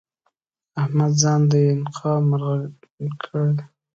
احمد ځان د انقا مرغه کړی؛